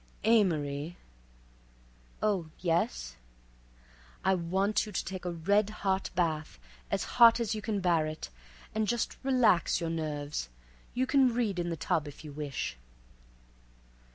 "Amory." "Oh, yes." "I want you to take a red hot bath as hot as you can bear it, and just relax your nerves. You can read in the tub if you wish."